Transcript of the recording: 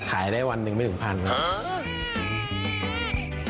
ขายได้วันหนึ่งไม่ถึง๑๐๐๐บาทครับ